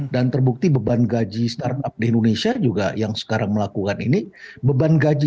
dan terbukti beban gaji startup di indonesia juga yang sekarang melakukan ini beban gaji